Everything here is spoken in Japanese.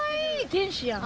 ・天使やん。